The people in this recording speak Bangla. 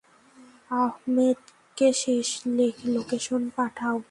আহমেদকে শেষ লোকেশন পাঠাও।